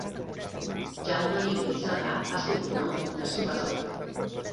Jaume Illa i Cerdà va ser un tenor nascut a Barcelona.